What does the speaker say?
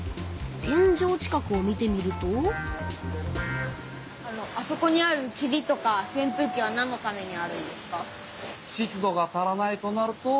天じょう近くを見てみるとあそこにあるきりとかせんぷうきはなんのためにあるんですか？